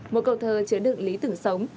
một câu thơ chứa đựng lý tưởng sống